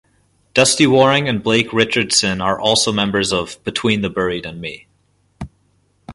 Dustie Waring and Blake Richardson are also members of Between the Buried and Me.